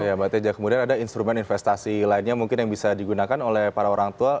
ya mbak teja kemudian ada instrumen investasi lainnya mungkin yang bisa digunakan oleh para orang tua